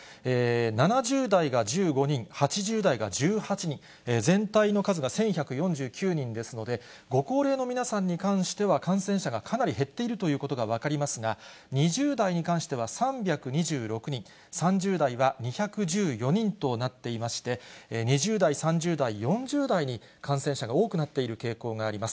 ７０代が１５人、８０代が１８人、全体の数が１１４９人ですので、ご高齢の皆さんに関しては、感染者がかなり減っているということが分かりますが、２０代に関しては３２６人、３０代は２１４人となっていまして、２０代、３０代、４０代に感染者が多くなっている傾向があります。